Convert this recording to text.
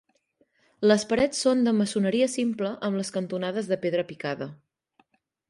Les parets són de maçoneria simple amb les cantonades de pedra picada.